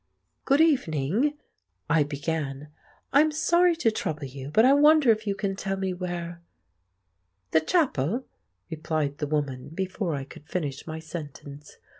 "Good evening," I began. "I'm sorry to trouble you, but I wonder if you can tell me where——" "Th' chapel?" replied the woman before I could finish my sentence.